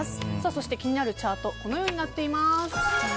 そして気になるチャートはこのようになっています。